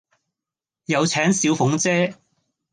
有請小鳳姐